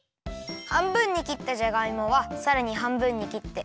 はんぶんにきったじゃがいもはさらにはんぶんにきって。